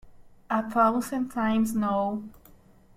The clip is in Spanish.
A Thousand Times No!!